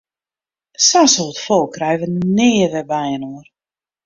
Sa'n soad folk krije wy nea wer byinoar!